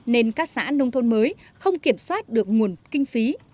nên các xã nông thôn mới không kiểm soát được nguồn kinh phí